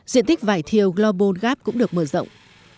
diện tích vải thiều global gap cũng được mở rộng